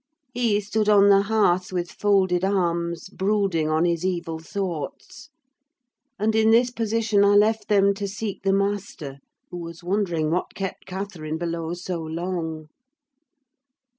He stood on the hearth with folded arms, brooding on his evil thoughts; and in this position I left them to seek the master, who was wondering what kept Catherine below so long.